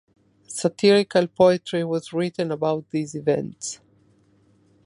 Satirical poetry was written about these events.